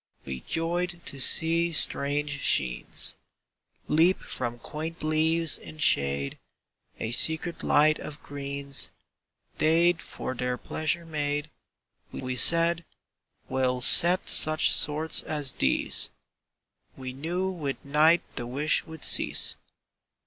We joyed to see strange sheens Leap from quaint leaves in shade; A secret light of greens They'd for their pleasure made. We said: "We'll set such sorts as these!" —We knew with night the wish would cease.